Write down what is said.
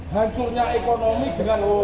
hancurnya ekonomi dengan